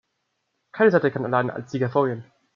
Keine Seite kann allein als Sieger hervorgehen.